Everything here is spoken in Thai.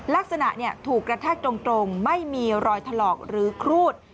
ลักษณะถูกกระแทกตรงไม่มีรอยถลอกหรือครูด